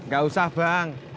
gak usah bang